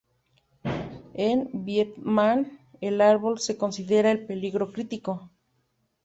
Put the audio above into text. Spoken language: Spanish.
En Vietnam, el árbol se considera En Peligro Crítico.